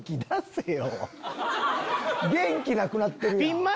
元気なくなってるやん。